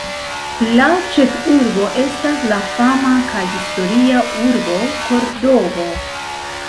La ĉefurbo estas la fama kaj historia urbo Kordovo.